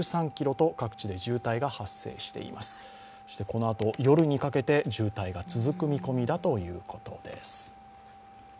このあと夜にかけて渋滞が続く見込みだということです。